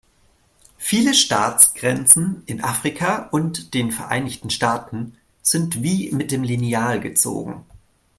Viele Staatsgrenzen in Afrika und den Vereinigten Staaten sind wie mit dem Lineal gezogen.